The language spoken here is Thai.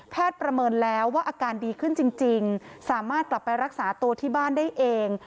ประเมินแล้วว่าอาการดีขึ้นจริงสามารถกลับไปรักษาตัวที่บ้านได้เอง